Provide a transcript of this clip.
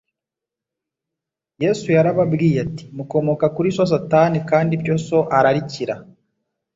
Yesu yarababwiye ati : «Mukomoka kuri so Satani, kandi ibyo so ararikira,